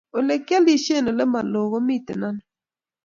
Olegialishe olemaloo komiten ano?